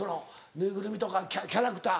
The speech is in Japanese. ぬいぐるみとかキャラクター。